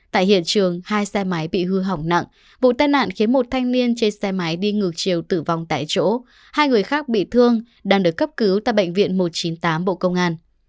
tại hiện trường hai xe máy bị hư hỏng nặng vụ tai nạn khiến một thanh niên trên xe máy đi ngược chiều tử vong tại chỗ hai người khác bị thương đang được cấp cứu tại bệnh viện một trăm chín mươi tám bộ công an